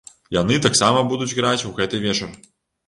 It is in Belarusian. Яны таксама будуць граць у гэты вечар.